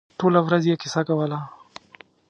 ټوله ورځ یې کیسه کوله.